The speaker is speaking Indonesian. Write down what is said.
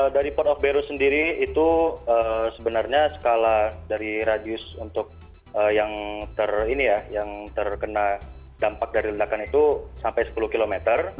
dari port of beirut sendiri itu sebenarnya skala dari radius untuk yang terkena dampak dari ledakan itu sampai sepuluh km